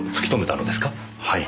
はい。